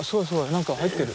なんか入ってる。